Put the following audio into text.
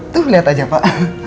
tuh lihat aja pak